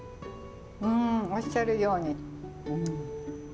うんおっしゃるように。